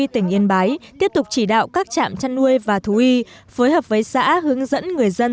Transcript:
tỉnh yên bái tiếp tục chỉ đạo các trạm chăn nuôi và thú y phối hợp với xã hướng dẫn người dân